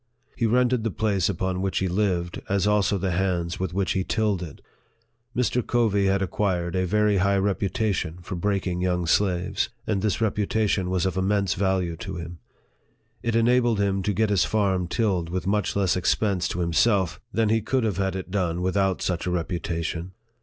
He rented the place upon which he lived, as also the hands with which he tilled it. Mr. Covey had acquired a very high reputation for breaking young slaves, and this reputation was of immense value to him. It enabled him to get his farm tilled with much less expense to himself than he could have had it done without such a reputation.